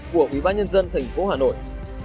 của ủy ban nhân dân thành phố hà nội